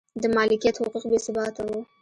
د مالکیت حقوق بې ثباته و